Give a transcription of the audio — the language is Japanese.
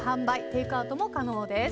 テイクアウトも可能です。